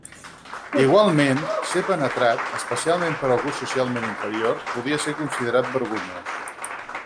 Igualment, ser penetrat, especialment per algú socialment inferior, podia ser considerat vergonyós.